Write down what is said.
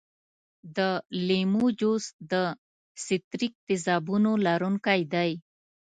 د لیمو جوس د ستریک تیزابونو لرونکی دی.